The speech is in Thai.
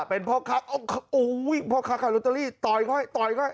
เป็นพ่อคลักษณ์โอ้โหพ่อคลักษณ์ค่ะรอเตอรี่ต่อยค่อยต่อยค่อย